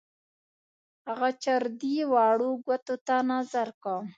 هغه چر دی واړه ګوتو ته نظر کا.